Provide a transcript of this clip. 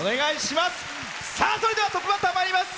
それではトップバッターまいります。